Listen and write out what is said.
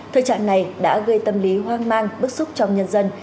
thời trạng này đã gây tâm lý hoang mang bức xúc trong nhân dân